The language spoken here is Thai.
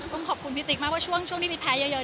ต้องขอบคุณพี่ติ๊กมากว่าช่วงที่พี่แพ้เยอะ